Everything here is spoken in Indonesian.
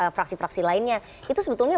fraksi fraksi lainnya itu sebetulnya